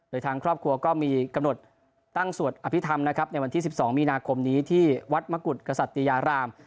โดยทางครอบครัวก็มีกำหนดตั้งสวดอภิษฐรรมนะครับในวันที่๑๒มีนาคมนี้ที่วัดมกุฎกษัตยาราม